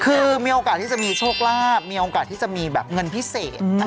คือมีโอกาสที่จะมีโชคลาภมีโอกาสที่จะมีแบบเงินพิเศษ